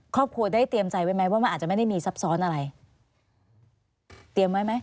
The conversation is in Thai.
ครอบครัวได้เตรียมใจไว้ไหมว่ามันอาจจะไม่ได้มีซับซ้อนอะไรเตรียมไว้ไหม